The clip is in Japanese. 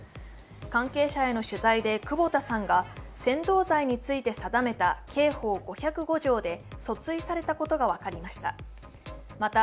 関係者への取材で久保田さんが扇動罪について定めた刑法５０５条で訴追されたことが分かりました。